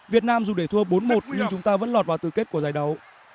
việt nam dù để thua bốn một nhưng chúng ta vẫn lọt vào tư kết của giải đấu